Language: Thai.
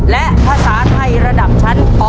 และภาษาไทยระดับชั้นป๔